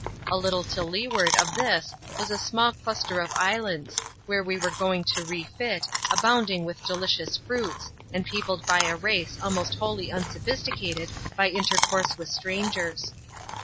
A little to leeward of this was a small cluster of islands, where we were going to refit, abounding with delicious fruits, and peopled by a race almost wholly unsophisticated by inter course with strangers.